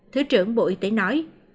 thứ trưởng bộ y tế nói